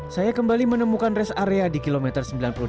saya kembali menemukan rest area di kilometer sembilan puluh delapan